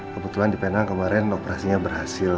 kebetulan di penang kemarin operasinya berhasil